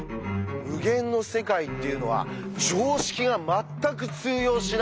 無限の世界っていうのは常識がまったく通用しない